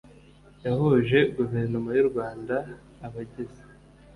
yahuje guverinoma y u rwanda abagize